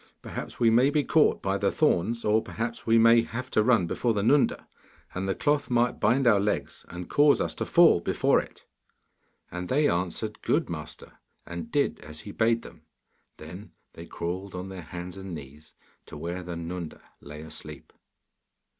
Perhaps we may be caught by the thorns, or perhaps we may have to run before the Nunda, and the cloth might bind our legs, and cause us to fall before it.' And they answered, 'Good, master,' and did as he bade them. Then they crawled on their hands and knees to where the Nunda lay asleep.